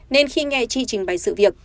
nên khi nghe chi trình bày sự việc